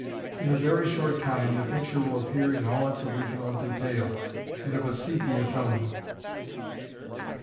In a very short time the picture will appear in all its original detail, and of a sepia tone.